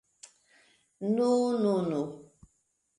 Nu, nu, nu!